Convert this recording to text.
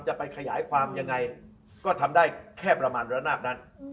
จะไปขยายความยังไงก็ทำได้แค่ประมาณระนาบนั้น